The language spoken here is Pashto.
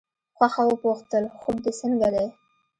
خوښه وپوښتل خوب دې څنګه دی.